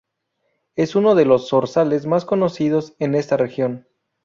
Es uno de los zorzales más conocidos en esta región.